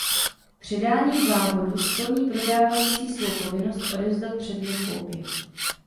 Předáním závodu splní prodávající svou povinnost odevzdat předmět koupě.